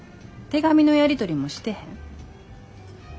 手紙のやり取りもしてへん？